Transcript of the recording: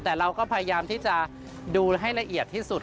แต่เราก็พยายามที่จะดูให้ละเอียดที่สุด